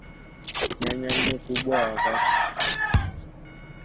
Nyanya nne Ukubwa wa kati